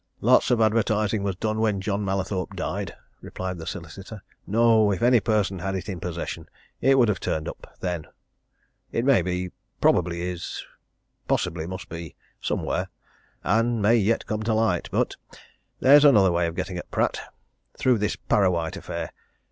"Lots of advertising was done when John Mallathorpe died," replied the solicitor. "No! if any person had had it in possession, it would have turned up then. It may be probably is possibly must be somewhere and may yet come to light. But there's another way of getting at Pratt. Through this Parrawhite affair.